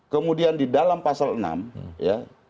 kemudian di dalam pasal enam ya